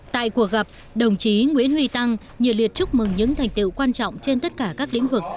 tại cuộc gặp đồng chí nguyễn huy tăng nhiệt liệt chúc mừng những thành tiệu quan trọng trên tất cả các lĩnh vực